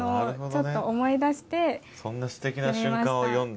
そんなすてきな瞬間を詠んだ。